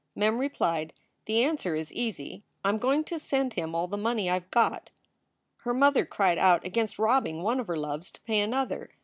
Mem replied: "The answer is easy. I m going to send him all the money I ve got." Her mother cried out against robbing one of her loves to pay another.